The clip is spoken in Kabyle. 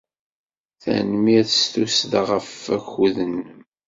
Tanemmirt s tussda ɣef wakud-nnem.